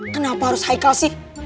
kenapa harus haikal sih